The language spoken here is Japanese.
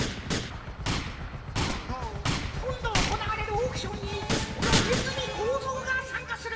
こんどおこなわれるオークションにこのねずみこうぞうがさんかする。